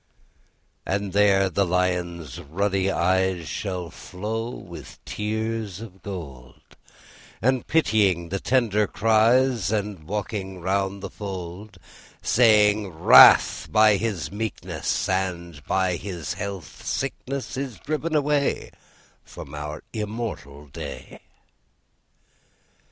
And there the lion's ruddy eyes Shall flow with tears of gold: And pitying the tender cries, And walking round the fold: Saying: 'Wrath by His meekness, And, by His health, sickness, Is driven away From our immortal day.